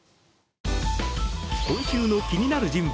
今週の気になる人物